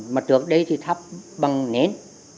mà trước đấy thì thắp bằng nến